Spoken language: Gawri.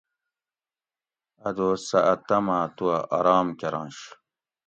اۤ دوس سہ اۤ تماں توہ آرام کرنش